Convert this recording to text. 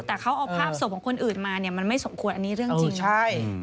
แต่เขาเอาภาพศพของคนอื่นมาเนี่ยมันไม่สมควรอันนี้เรื่องจริงใช่